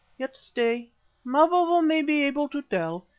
Yet, stay. Mavovo may be able to tell.